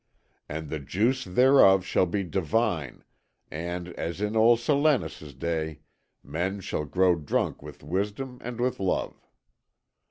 And the juice thereof shall be divine, and, as in old Silenus' day, men shall grow drunk with Wisdom and with Love."